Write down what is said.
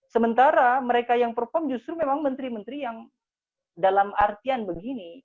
sementara mereka yang perform justru memang menteri menteri yang dalam artian begini